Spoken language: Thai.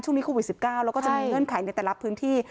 ช่วงนี้โควิด๑๙แล้วก็จะมีเงื่อนไขในแต่ละพื้นที่